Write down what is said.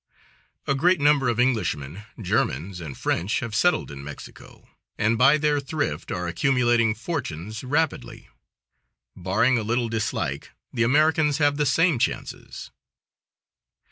A great number of Englishmen, Germans and French, have settled in Mexico, and by their thrift are accumulating fortunes rapidly. Barring a little dislike, the Americans have the same chances.